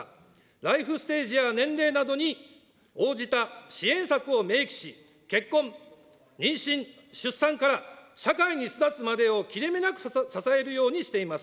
ライフステージや年齢などに応じた支援策を明記し、結婚・妊娠・出産から社会に巣立つまでを切れ目なく支えるようにしています。